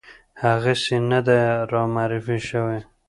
هغسې نه ده رامعرفي شوې